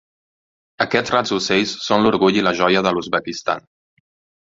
Aquests rats ocells són l'orgull i la joia de l'Uzbekistan.